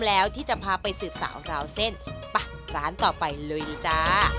แล้วที่จะพาไปสืบสาวราวเส้นไปร้านต่อไปเลยจ้า